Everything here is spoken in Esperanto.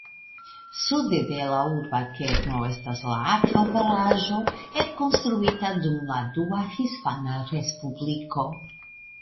Sude de la urba kerno estas la akvobaraĵo ekkonstruita dum la Dua Hispana Respubliko.